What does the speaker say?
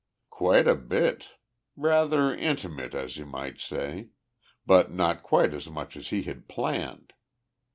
"Quite a bit. Rather intimate, as you might say. But not quite as much as he had planned.